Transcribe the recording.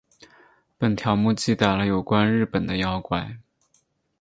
本条目记载了有关日本的妖怪。